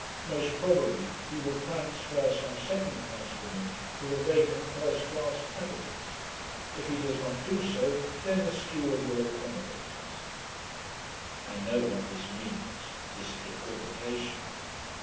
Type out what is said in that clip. Most probably he will transfer some second class women to the vacant first class cabins. If he does not do so, then the steward will accommodate us. I know what this means this equivocation.